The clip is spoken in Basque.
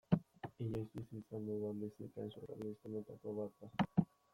Inoiz bizi izan dudan bizipen surrealistenetako bat da.